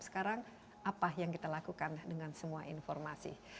sekarang apa yang kita lakukan dengan semua informasi